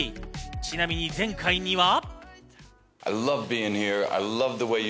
ちなみに前回には。